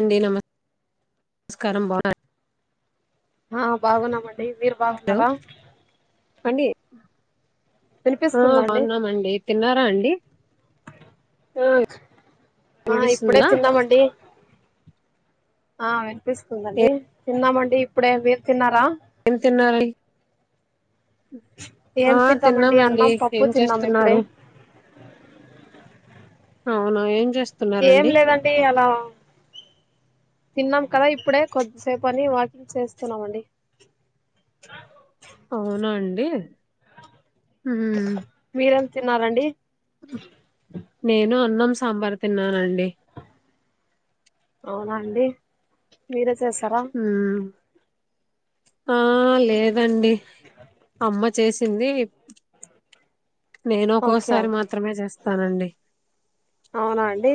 అండి నమస్కారం బాగున్నారా ఆ బాగున్నామండి డి మీరు హలో బాగున్నారా అండి ఆ వినిపిస్తుందా అండి బాగున్నామండి తిన్నారా అండి ఆ ఆ ఇప్పుడే వినిపిస్తుందా తిన్నామండి ఆ వినిపిస్తుందండి తిన్నామండి ఇప్పుడే మీరు తిన్నారా ఏం తిన్నారు ఏం ఆ తింటామండి తిన్నామండి అన్నం పప్పు ఏం తిన్నాం ఇప్పుడే చేస్తున్నారు అవున ఏం చేస్ ఏం లేదండి అలా తిన్నాం కదా ఇప్పుడే కొద్దిసేపు అని వాకింగ్ చేస్తున్నామండి అవునా అండి మ్మ్ మీరేం తిన్నారండి నేన అన్నం సాంబార్ తిన్నానండి అవునా అండి మీరు చేసారా ఉమ్ ఆ లేదండి అమ్మ చేసి ఉన్నిలే నేను ఓకే ఒక్కోసారి మాత్రమే చేస్ తానండి అవునా అండి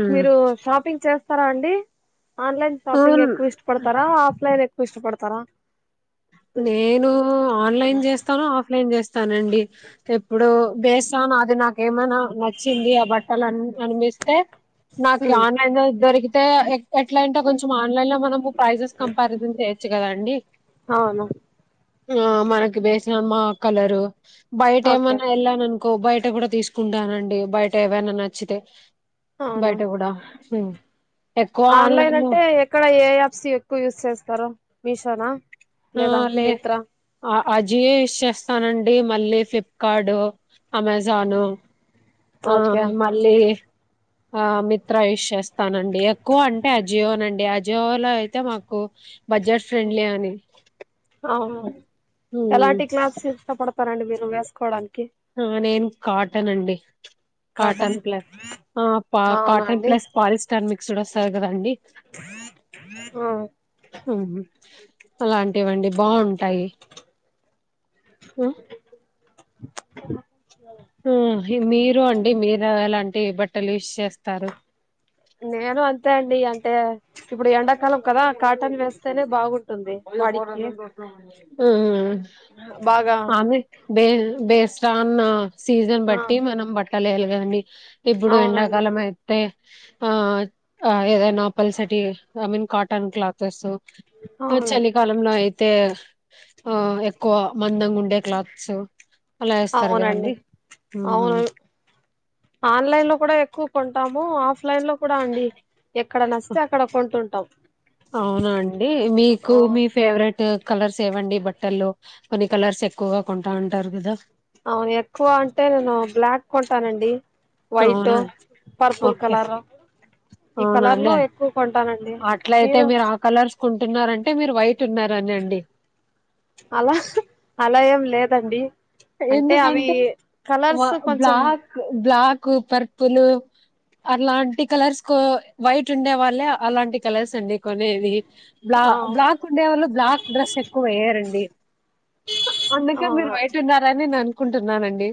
ఉమ్ మీరు షాపింగ్ చే స్తారా అండి ఆన్ లైన్ షాపింగ్ అవును ఎక్కువ ఇష్టపడతారా ఆఫ్ లైన్ ఆ ఇష్టపడతారా నేను ఆన్ లైన్ చేస్తాను ఆఫ్ లైన్ చేస్తానండి ఎప్పుడొ వేసాను అది నాకేమైనా నచ్చింది ఆ బట్టలన్నీ మనమిస్తే నాకి ఉమ్, ఆన్ లైన్ దొరుకుదు [unintelligible] ఎట్లా అంటే కొంచెం ఆన్ లైన్ లో మనము ప్రైజెస్ కంపారిజన్ చేయ వచ్చు కదా అండి అవును ఆ మనకి వేసమ్మా కలరు బయట ఓకే ఏమన్నా ఎల్లా నన్కో బయట బయట కూడా తీసుకుంటానండి బయట ఏవైనా నచ్చితే బయట కూడా ఎక్కువ ఆన్ లైన్ ఆన్లైన్ లో అంటే ఎక్కడ ఏ యాప్స్ ఎక్కువ యూజ్ చేస్తారు మీషో లేదా మిత్ర అజి యూస్ చేస్తానండి మళ్ళీ ఫ్లిప్కార్డు అమెజాను ఆ ఓకే మళ్ళీ ఆ మిత్ర యూష్ చేస్తానండి ఎక్కువ అంటే అజియోనండి అజియోలో అయితే మాకు బడ్జెట్ ఫ్రెండ్లీ అని అవును హ్మ్. ఎలాంటి క్లాత్స్ ఇష్టపడతారండి మీరు వేసుకోవడానికి హు నేను కాటన్ అండి కాటన్ ప్లస్ అవునా కాటన్ అండి ప్లస్ పాలిస్టర్ మీ చూడసరు కదండి ఆ అలాంటివండి బాగుంటాయి ఉ హి మీరు అండి మీరు అలాంటి బట్టలు యూస్ చేస్తారు నేను అంతే అండి అంటే ఇప్పుడు ఎండాకాలం కదా కాటన్ వేస్తేనే బాగుంటుంది వాడికి ఉ ఉ బాగా బే బేస్ రాన్న సీజన్ ఆ బట్టి మనం బట్ కల్లెలలుగా అండి ఇప్పుడు అవునండి ఎండాకాలం అయితే అ ఏద నాపల్సటి ఐ మీన్ కాటన్ క్లాత్స్ అవును చలి కాలంలో అయితే ఆ ఎక్కువ మందంగా ఉండే క్లాత్స్ అలా వేస్తారు కదండి అవునండి ఉ అవును ఆన్లైన్ లో కూడా ఎక్కువ కొంటాము ఆఫ్లైన్ లో కూడా అండి ఎక్కడ నస్తే అక్కడ కొంటుంటాం అవునండి మీకు మీ ఫేవరెట్ కలర్స్ ఏవండి బట్టల్లో కొన్ని కలర్స్ ఎక్కువగా కొంటా ఉంటారు కదా అవును ఎక్కువ అంటే నేను బ్లాక్ కొంటానండి వైటు, అవునా పర్పుల్ ఓకే కలరు ఈ కలర్ లో అవునండి ఎక్కువ కొ అట్లయితే మీరు ఆ కలర్స్ కుంటున్నారంటే మీరు వైట్ ఉన్నారని అండి అలా అలా ఏం లేదండి అంటే అవి ఎందుకంటే కలర్స్ కొంచెం బ్లాక్ బ్లాక్ కు పర్పుల్ అలాంటి కలర్స్ కో వైట్ ఉండే వాళ్ళే అలాంటి కలర్స్ అండి కొనేది బ్లా ఆ బ్లాక్ ఉండేవాళ్ళు బ్లాక్ డ్రెస్ ఎక్కువ వేయారండి అందుకే మీరు ఆ వైట్ ని నేను అనుకుంటున్నానండి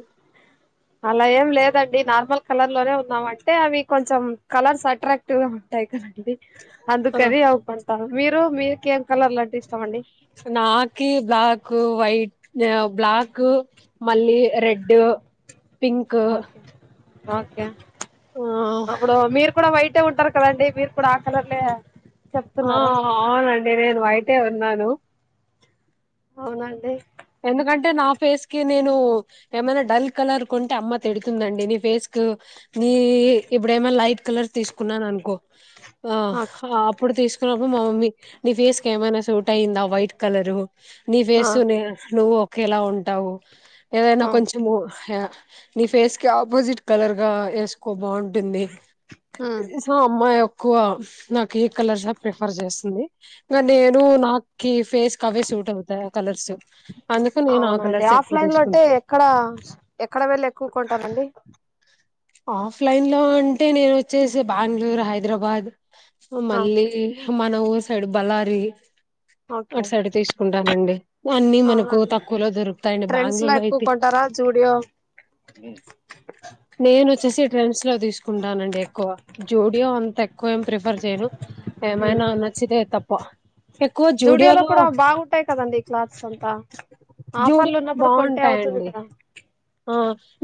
అలా ఏం లేదండి నార్మల్ కలర్ లోనే ఉన్నామ అంటే అవి కొంచెం కలర్స్ అ అక్టివ్ గా ఉంటాయి కద అందు ఆ కర అకుంటా మీ మీరు ముఖం ఏం కలర్ లాంటి ఇస్తామండి నాకి బ్లాక్ వైట్ బ్లాక్ మళ్ళీ రెడ్ పింక్ ఓకే ఓకే ఆ అప్పుడు మీరు కూడా వైట్ అతే ఉంటారు కదండి మీరు కూడా ఆ కలర్లే ఆ చెప్తున్నారు అవునండి నేను విట్ అదేవన్నాను అవునండి ఎందుకంటే నా ఫేస్ కి నేను ఏమైనా డల్ కలర్ కొంటే అమ్మ తిడుతుందండి నీ ఫేస్ కి నీ ఇప్పుడు ఏమైనా లైట్ కలర్ తీసుకున్నానను అనుకో ఆ ఓకే అప్పుడు తీసుకున్న మా మమ్మీ నీ ఫేస్ క ఏమైనా సూట్ అయ్యిందా వైట్ కలరు నీ ఆ వేసు న నువ్వు ఒకేలా ఉంటావు ఏదైనా ఆ కొంచం నీ ఫేస్ కి ఆపోజిట్ కలర్ గా వేసుకో బాన్ టుంది ఉమ్ సో అమ్మ ఒ ఎక్కువ నాకు ఈ కలర్స్ ప్రిఫర్ చేస్తుంది ఇ నేను నాకి ఫేస్ క అవే సూట్ అవుతాయి ఆ కలర్స్ అందుకు నేను ఆ అవునండి కలర్స్ ఎక్కువ ఆఫ్లైన్ లో అంటే తీసుకుంటా ఎక్కడ ఎక్కడ వెళ్ళి ఎక్కువకుంటారండి ఆఫ్లైన్ లో అంటే నేను వచ్చేసి బెంగళూరు హైదరాబాద్ ఆ మళ్ళీ మాన ఊరు సైడ్ బల్లారి ఓకే అటు సైడ్ తీసుకుంటానండి అన్ని మనకు అవునండి తక్కువలో దొరుకుతాయిండి ట్రెండ్స్ లో బెంగళూరులో ఎక్కువ అయితే కొంటారా జూడియో నేను వచ్చేసి ట్రెండ్స్ లో తీసుకుంటానండి ఎక్కువ జోడియో అంత ఎక్కువ ఏం ప్రిఫర్ చేయను ఏమైనా నచ్చితే తప్ ప్ప ఎక్కువ జూడియోలో, కూడా బాగుంటాయి కదండి క్లాత్స్ అంతా ఆఫర్లు జూడియోలో ఉన్నప్పుడు కొంటే అవుతుంది బాగుంటాయండి, కదా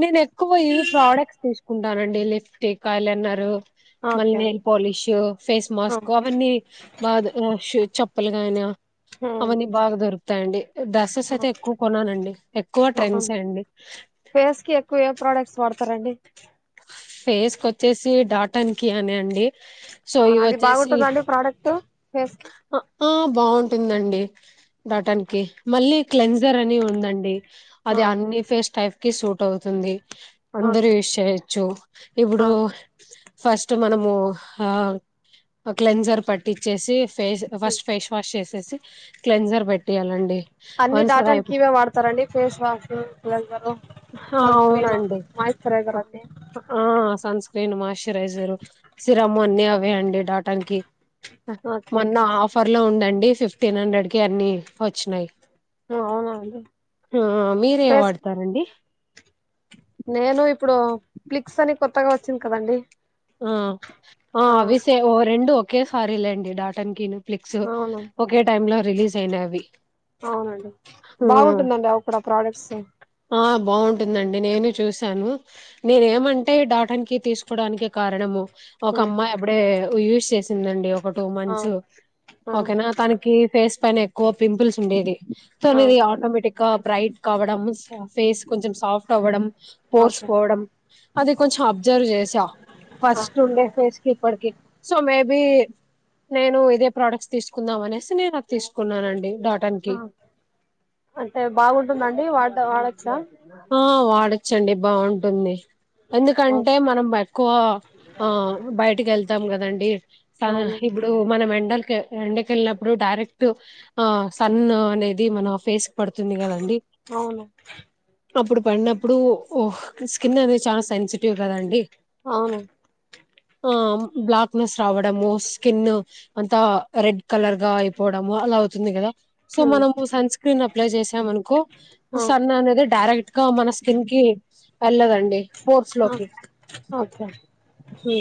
నేను ఎక్కువ ఈ ప్రోడక్ట్ తీసుకుంటానండి లిప్స్టిక్ ఐలేనేరు మళ్ళీ okay nail polish face mask అవన్నీ బాగా [unintelligible] చెప్పలుగానా అవన్నీ బాగా దొరుకు తండి డ్రసెస్ అయితే ఎక్కువ కొన్నానండి ఎక్కువ ట్రెండ్స్ అండి స్తారండి ఫేస్ క వచ్చేసి డాటానికి అని అండి సో అవునా ఇవి అది వచ్చేసి బాగుంటంద అండి ప్రోడక్ట్ ఫేస్ ఆ ఆ బాగుంటుందండి దాటానికి మళ్ళీ క్లెన్జర్ అని ఉందండి అది ఆ, అన్ని ఫేస్ టైప్ కి సూట్ అవుతుంది అందరు ఓకే విషయ హచ్చు ఆ, ఇప్పుడు ఫస్ట్ మనము ఆ క్లెన్జర్ పట్టిచ్చేసి ఫేస్ ఉమ్. ఫస్ట్ ఫేస్ వాష్ చేసేసి క్లెన్జర్ పెట్టేయాలండి అన్ని దాటనికినికి ఇవే వాడతారండి ఫేస్ వాష్లైజర్ ఆ సన్ స్క్రీన్ అవునండి మాయిశ్చరైజర్ అన్ని ఆ సన్ స్క్రీన్ మాశ్చరైజరు సిరమ్ అన్ని అవే అండి డాటన్కి ఓకే మొన్న ఆఫర్ లో ఉందం అడి ఫిఫ్టీన్ హండ్రెడ్ కి అన్ని వచ్చినయి ఆ, అవునా అండి ఆ మీరేం ఫేస్ వాడతారండి నేను ఇప్ ఇప్పుడు ఫ్లిక్స్ అని కొత్తగా వచ్చింది కదండి ఉం ఆ అ విసే ఓ రెండు ఒకేసారి లేండి డాటన్కిను ఫ్లిక్స్ అవును ఒకే టైం లో రిలీజ్ అయినవి అవునండి బాగుంటుందండి అవి కూడా ప్రోడక్ట్స్ ఆ బాగుంటుందండి నేను చూసాను నేను ఏమంటే డాటన్కి తీసుకోవడానికి కారణము ఒక అమ్మా అపుడే యూజ్ చేసిందండి ఒక టూ ఆ మంత్స్ ఆ ఓకేనా తనకి ఫేస్ పైన ఎక్కువ పింపుల్స్ ఉండేది ఆ తమిది ఆటోమేటిక్ కా బ్రైట్ కావడం సా ఫేస్ కొంచెం సాఫ్ట్ అవ్వడం ఓకే పోర్సుపోవడం అది కొంచెం అబ్జర్వ్ చేసా ఆ ఫస్ట్ ఉండే ఫేస్ కి ఇప్పటికి సో మేబి నేను ఇదే ప్రోడక్ట్స్ తీసుకుందాం అనేసి నేను వచ్చేసిన కున్నానండి డాటన్ కి ఆ అంటే బాగుంటుందండి వాడ వాడొచ్చా ఆ వాడచ్చు అండి బాగుంటుంది అవును ఎందుకంటే మనం బట్ ఓ ఆ బయటికి వెళ్తాం కదండి సదాన అవును ఇప్పుడు మనం అం డల్ కె ఎండకెళ్ళినప్పుడు డైరెక్ట్ ఆ సన్ అనేది మన ఫేస్ కి పడుతుంది కదండి అవును అప్పుడు పడినప్పుడు స్కిన్ అనేది చాలా సెన్సిటివ్ కదండీ అవును ఆ బ్లాక్ నెస్ రావడము స్కిన్ అంతా రెడ్ కలర్ గా అయిపోవడము అలా అవుతుంది కదా సో ఉమ్, మనము సన్ స్క్రీన్ అప్లై చేసామనుకో ఆ సన్ అనేది డైరెక్ట్ గా మన స్కిన్ కి పలులేదు అండి ఆ ఓకే హు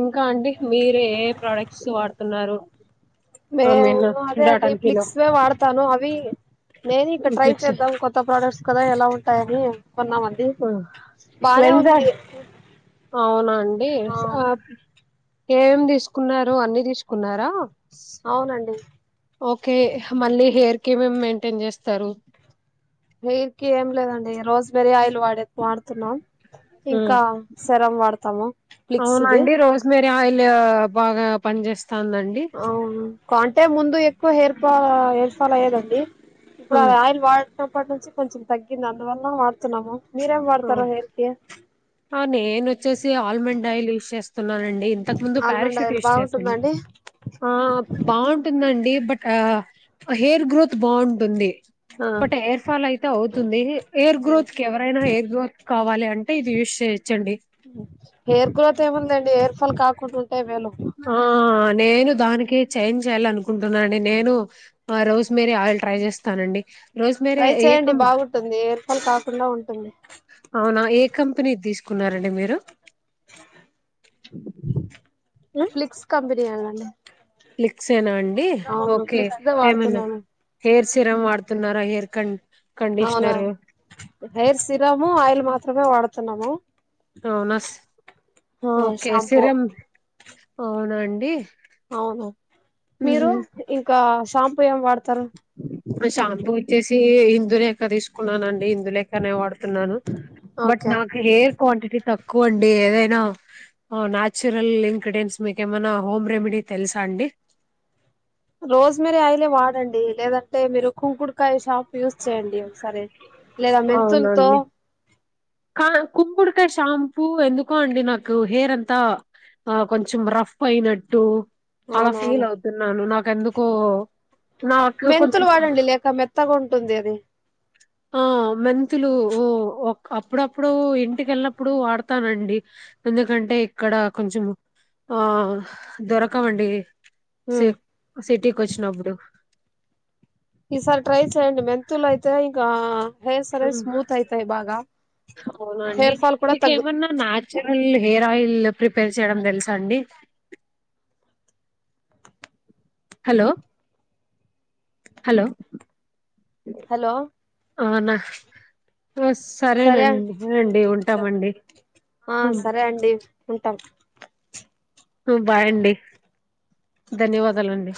ఇంకా అంటే మీరే ఏ ప్రొడక్ట్స్ వాడుతున్నారు మే ఐ మీన్ అదే అండి డాటన్ కిలో ప్లిక్స్ వే వాడతాను అవి నేను ఇక ట్రై ఫ్లిక్స్ చేద్దాం కొత్త ప్రోడక్ట్స్ కదా ఎలా ఉంటాయని కొన్నమండి బానే ఉంది అవునన్ ఆ డీర్స్ అప్ ఏమేం తీసుకున్నారు అన్ని తీసుకున్నారా అవునండి ఓకే హ మళ్ళీ హెయిర్ కి ఏమ్ మెయింటైన్ చేస్తారు వీర్కి ఏం లేదండి రోస్మేరీ ఆయిల్ వాడే వాడుతున్నాం. హ్మ్. ఇంకా సేరమ్ వాడతాము అవునా ప్లిక్స్ది అండి రోస్మేరీ ఆయిల్ బాగా పని చేేస్ అవును కొంటె ముందు ఎక్కువ హేర్ ఫాల్, హయిర్ ఫాల్ అయ్యేదండ్ ఏ హ్మ్ ఇప్పుడద్ ఆయిల్ వాడ్ న్నప్పటి నుంచి కొంచెం తగ్గింది. అందువల్ల వాడుతున్నాము. మీరెం వాడతారూ హెయిర్కి నేను చేసి ఆల్మండ్ ఆయిల్ యూస్ చేస్తున్నానండి. ఇంతకు ముందు ఆల్మండ్ పారాషూట్ ఆయిల్ యూస్ చేశాను, బాగుంటుందండి ఆ బావుంటుందండ్ బట్ ఆ హెయిర్ గ్రోత్ బావుంటుంది. ఆ బట్ హెయిర్ ఫాల్ అయితే అవుతుంది. హెయిర్ గ్రోత్ కి ఎవరైనా హెయిర్ గ్రోత్ కావాలి అంటే ఇది యూస్ చేయచ్చండి. హెయిర్ గ్రోత్ ఏముందండి హెయిర్ ఫాల్ కాకుండుంట్ ఆ నేను దానికి చేంజ్ చేయాల అనుకుంటున్నానండి. నేను ఆ రోజ్మేరీ ఆయిల్ ట్రై చేస్తానండి. రోస్మేరీ ట్రై ఏ చేయండి కం బాగుంటుంది. ఎయిర్పాల్ కాక్ కుళ్ళ ఉంటుంది. అవునా ఏ కంపెనీద్ తీసుకున్నారండి. మీరు ఆ ఫ్లిక్స్ కంపెన్ చేయాలండీ ఫ్లిక్సేనా అండ్ డి ఓకే ఏమన్నా వాడుతున్నాను హెయిర్ సిరమ్ వాడుతున్నారా? హెయిర్ కన్ అవునా కండిష్నరూ. తున్నాము అవునాస్ ఓకే షాంపూ సిరమ్ అవునండి అవును మీరు ఇంకా షాంపూ ఏం వాడతారు మా షాంపూ వచ్చేసి హిందులేక తీస్ కున్ననండి ఇందులేకనే వాడుతున్నాను. బట్ ఓకే నాకు హెయిర్ క్వంటిటీ తక్ కోండి ఏదైనా ఆ నా చురల్ ఇంక్రీడెంట్స్ మీకేమన్నా. హోమ్ రెమెడీ తెలుసా అండి. రోస్ మేరి ఆయిలే వాడండి లేదంటే మీరు కుంకుడుకాయ షాప్ యూస్ చేయండి ఒకసారి లేదా మెంతుల్తో ఆ కుంకుడి కాయి షాంపూ ఎందుకో అండి నాకు హెయిర్ అంతా కొంచెం రఫ్ అయినట్టు అలా ఫీల్ అవునవును అవుతున్నాను నాకెందుకో నాకు కొంచెం మెంతులు వాడండి లేక మెత్తగా ఉంటుంది అది ఆ మెంతులు ఊ ఒ అప్పుడప్పుడు ఇంటికెళ్ళినప్పుడు వాడతానండి ఎందుకంటే ఇక్కడ కొంచెం ఆ దొరకవండి సి సిటీకొచ్చినప్పుడు ఈసారి ట్రై చేయండి మెంతులయితే ఇంకా హెయిర్స్ అనేవి మ్మ్ స్మూత్ అయితాయి బాగా అవునా అండి హెయిర్ ఫాల్ కూడా తగ్గు మీకేమన్నా న్యాచురల్ హెయిర్ ఆయిల్ ప్రిపేర్ చేయడం తెలుసా అండి హలో హలో హలో అవునా సరే సరేనండినండి ఉంటామండి ఆ సరే అండి ఉంటాం బాయ్ అండి ధన్యవాదాలండి